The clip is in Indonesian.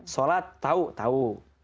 sholat tahu tahu